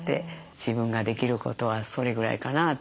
自分ができることはそれぐらいかなって。